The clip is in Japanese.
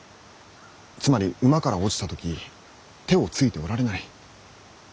つまり馬から落ちた時手をついておられない。